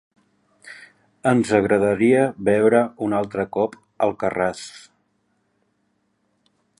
Ens agradaria veure un altre cop "Alcarràs".